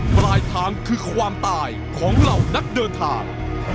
ปลายทางคือความตายของเหล่านักเดินทาง